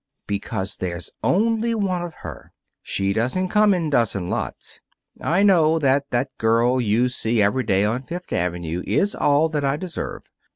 Because there's only one of her. She doesn't come in dozen lots. I know that that girl you see every day on Fifth Avenue is all that I deserve.